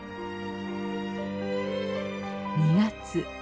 ２月。